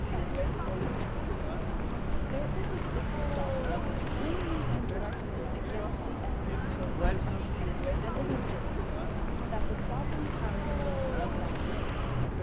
Dividing Of The Soveraign Power There is a Sixth doctrine, plainly, and directly against the essence of a Common wealth; and 'tis this, "That the Soveraign Power may be divided."